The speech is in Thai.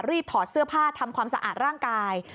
ถอดเสื้อผ้าทำความสะอาดร่างกาย